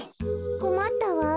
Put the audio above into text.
こまったわ。